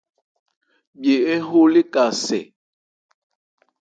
Bhye ń ho léka sɛ ?